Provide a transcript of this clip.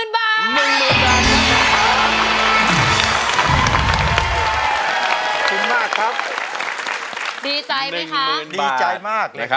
ดีใจมาก